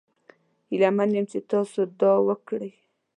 هیله من یم چې تاسو دا وکړي.